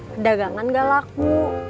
kedagangan nggak laku